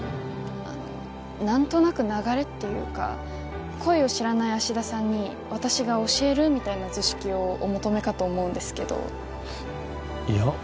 あの何となく流れっていうか恋を知らない芦田さんに私が教えるみたいな図式をお求めかと思うんですけどいや